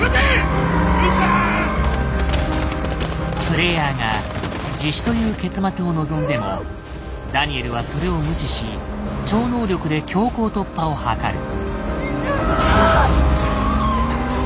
プレイヤーが自首という結末を望んでもダニエルはそれを無視し超能力で強行突破を図る。